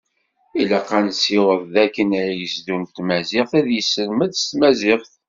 Ilaq ad nesiweḍ dakken agezdu n tmaziɣt, ad yesselmad s tmaziɣt.